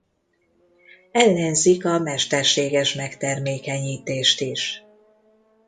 Ellenzik a mesterséges megtermékenyítést is.